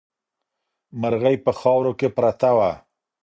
مرغۍ په خاورو کې پرته وه.